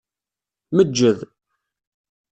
Meǧǧed.